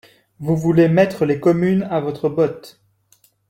Vous voulez mettre les communes à votre botte.